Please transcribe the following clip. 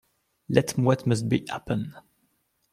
Let what must be, happen.